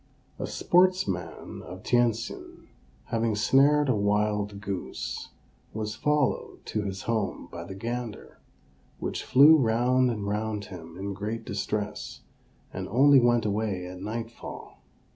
A sportsman of Tientsin, having snared a wild goose, was followed to his home by the gander, which flew round and round him in great distress, and only went away at nightfall.